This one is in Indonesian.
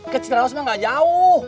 kecil rausman gak jauh